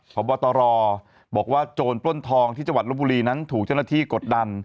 พบตรบอกว่าโจรปล้นทองที่จังหวัดลบบุรีนั้นถูกเจ้าหน้าที่กดดัน